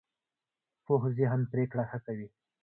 پوخ ذهن پرېکړه ښه کوي